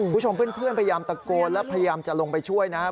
คุณผู้ชมเพื่อนพยายามตะโกนและพยายามจะลงไปช่วยนะครับ